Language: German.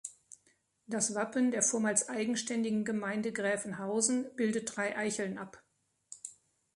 Das Wappen der vormals eigenständigen Gemeinde Gräfenhausen bildet drei Eicheln ab.